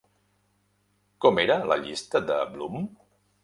Com era la llista de Bloom?